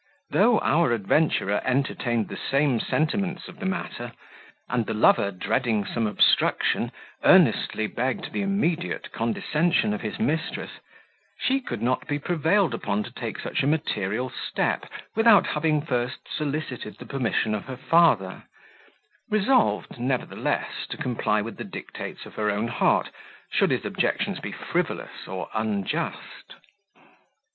Though our adventurer entertained the same sentiments of the matter, and the lover, dreading some obstruction, earnestly begged the immediate condescension of his mistress, she could not be prevailed upon to take such a material step, without having first solicited the permission of her father; resolved, nevertheless, to comply with the dictates of her own heart, should his objections be frivolous or unjust.